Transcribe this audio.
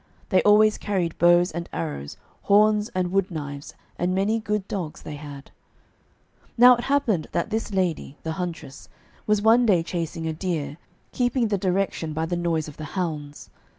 They always carried bows and arrows, horns and wood knives, and many good dogs they had. Now it happened that this lady, the huntress, was one day chasing a deer, keeping the direction by the noise of the hounds.